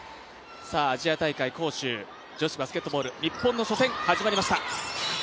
アジア大会、杭州女子バスケットボール日本の初戦、始まりました。